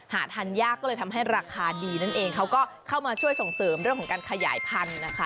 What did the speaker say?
หาทานยากก็เลยทำให้ราคาดีนั่นเองเขาก็เข้ามาช่วยส่งเสริมเรื่องของการขยายพันธุ์นะคะ